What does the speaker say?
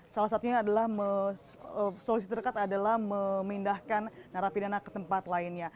salah satunya adalah solusi terdekat adalah memindahkan narapidana ke tempat lainnya